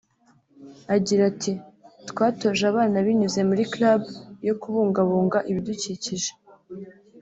agira ati “Twatoje abana binyuze muri Club yo kubungabunga ibidukikije